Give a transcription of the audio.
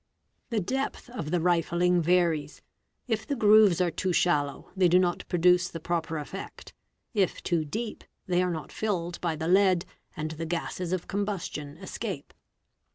'The depth of the rifling varies: if the grooves are too shallow, they do not produce the proper effect—if too deep, they are not filled ~ by the lead, and the gases of combustion escape.